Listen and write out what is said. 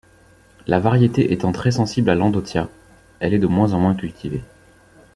La variété étant très sensible à l'endothia, elle est de moins en moins cultivée.